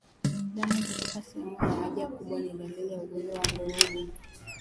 Damu kutoka sehemu ya haja kubwa ni dalili ya ugonjwa wa ndorobo